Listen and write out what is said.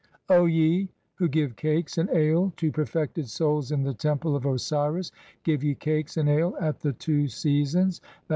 "O ye who give cakes and ale to perfected souls in the Temple "(35) of Osiris, give ye cakes and ale at the two seasons {i.